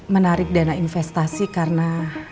menarik dana investasi karena